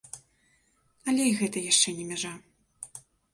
Але і гэта яшчэ не мяжа.